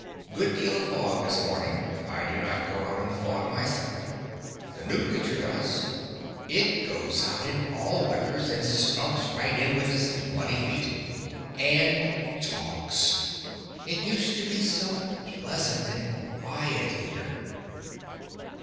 Good deal of fog this morning. I do not go out in the fog myself. The new creature does. It goes out in all weathers, and stumps right in with its muddy feet. And talks. It used to be so pleasant and quiet here.